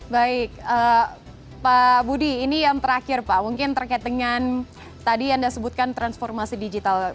baik pak budi ini yang terakhir pak mungkin terkait dengan tadi anda sebutkan transformasi digital